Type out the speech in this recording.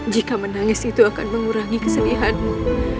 jika menangis itu akan mengurangi kesedihanmu